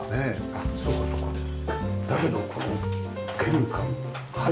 あっそうかそうか。だけどこの玄関入る